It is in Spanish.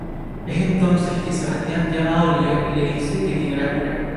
Es entonces que Sebastian llama a Oliver y le dice que tiene la cura.